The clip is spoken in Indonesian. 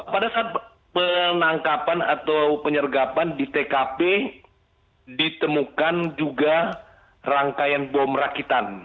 pada saat penangkapan atau penyergapan di tkp ditemukan juga rangkaian bom rakitan